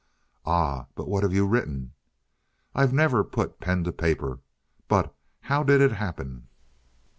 "Ah, but what have you written?" "I've never put pen to paper. But how did it happen?"